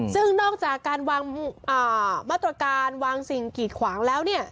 ซึ่งนอกจากการวางมาตรการวางสิ่งกีดขวางแล้วเนี่ย